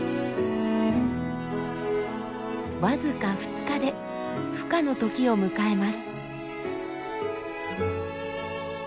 僅か２日で孵化の時を迎えます。